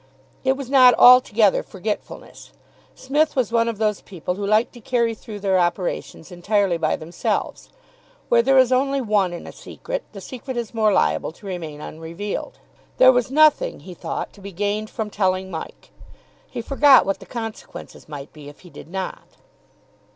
It was not altogether forgetfulness. Psmith was one of those people who like to carry through their operations entirely by themselves. Where there is only one in a secret the secret is more liable to remain unrevealed. There was nothing, he thought, to be gained from telling Mike. He forgot what the consequences might be if he did not.